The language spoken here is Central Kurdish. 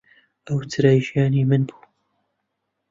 ئەو چرای ژیانی من بوو.